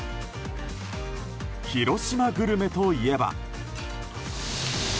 広島グルメといえば。